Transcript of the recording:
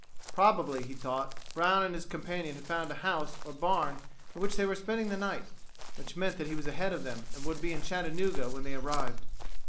Probably, he thought, Brown and his companion had found a house or barn in which they were spending the night, which meant that he was ahead of them and would be in Chattanooga when they arrived.